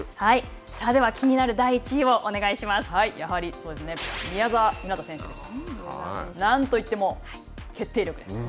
では、気になる第１位をお願いしやはり宮澤ひなた選手です。